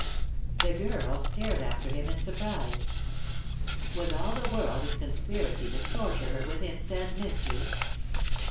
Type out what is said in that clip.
The girl stared after him in surprise. Was all the world in conspiracy to torture her with hints and mysteries?